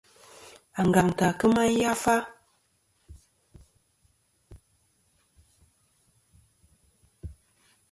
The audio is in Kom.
Angantɨ à kema yafa.